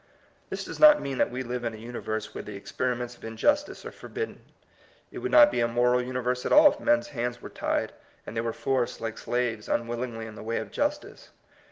This does not mean that we live in a universe where the experiments of injustice are forbidden. It would not be a moral universe at all if men's hands were tied, and they were forced, like slaves, unwill ingly in the way of justice.